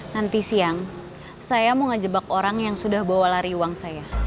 nanti siang saya mau ngejebak orang yang sudah bawa lari uang saya